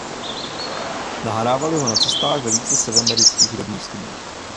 Nahrávali ho na cestách ve více severoamerických hudebních studiích.